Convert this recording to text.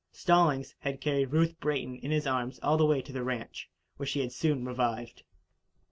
Stallings had carried Ruth Brayton in his arms all the way to the ranch where she had soon revived.